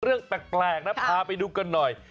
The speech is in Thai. เรื่องแปลกนะพาไปดูกันหน่อย